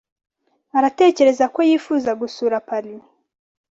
Aratekereza ko yifuza gusura Paris.